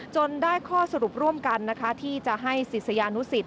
ได้ข้อสรุปร่วมกันนะคะที่จะให้ศิษยานุสิต